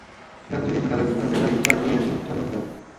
রাতে যদি ঠান্ডা লাগে তাহলে গাড়ি স্টার্ট দিয়ে হিটিং চলানো যাবে।